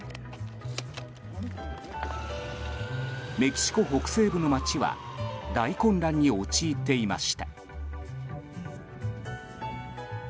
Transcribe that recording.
メキシコ北西部の街は大混乱に陥っていました。